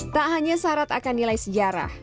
tak hanya syarat akan nilai sejarah